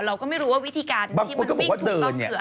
เราก็ไม่รู้วิธีการที่มันวิ่งถูกต้องคืออะไร